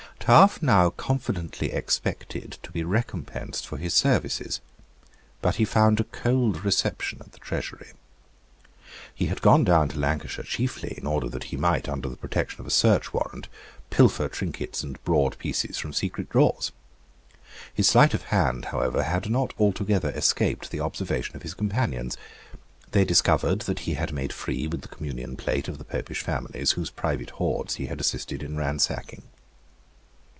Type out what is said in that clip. Taaffe now confidently expected to be recompensed for his services; but he found a cold reception at the Treasury. He had gone down to Lancashire chiefly in order that he might, under the protection of a search warrant, pilfer trinkets and broad pieces from secret drawers. His sleight of hand however had not altogether escaped the observation of his companions. They discovered that he had made free with the communion plate of the Popish families, whose private hoards he had assisted in ransacking.